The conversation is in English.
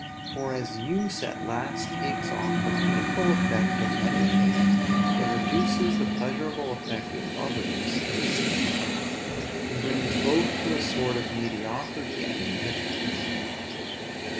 For as use at last takes off the painful effect of many things, it reduces the pleasurable effect in others in the same manner, and brings both to a sort of mediocrity and indifference.